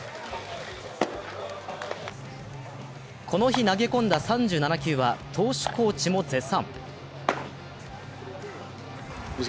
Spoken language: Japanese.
この日投げ込んだ３７球は投手コーチも絶賛。